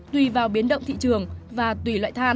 tùy vào biến động thị trường và tùy loại than